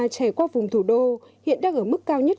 chảy qua vùng thủ đô hiện đang ở mức cao nhất